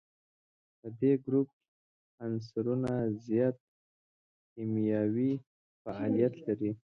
د دې ګروپ عنصرونه زیات کیمیاوي فعالیت لري.